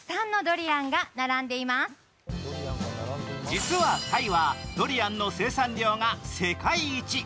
実は、タイはドリアンの生産量が世界一。